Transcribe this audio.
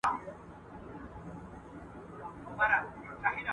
خاصو اولادونو ته ځانګړې توجه کيږي.